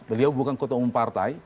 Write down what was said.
beliau bukan kota umum partai